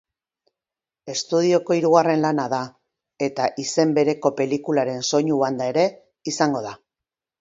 Estudioko hirugarren lana da, eta izen bereko pelikularen soinu-banda ere izango da.